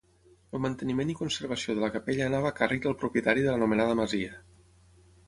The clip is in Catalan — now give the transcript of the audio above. El manteniment i conservació de la capella anava a càrrec del propietari de l'anomenada masia.